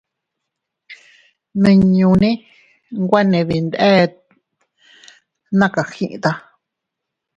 Nmiñune nwene dindet naa kakayiʼta.